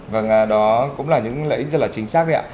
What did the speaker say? vâng đó cũng là những lợi ích rất là chính xác ạ